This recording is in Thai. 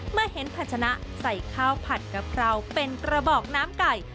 เมื่อเห็นผัดชนะใส่ข้าวผัดกะเพราเป็นกระบอกน้ำไก่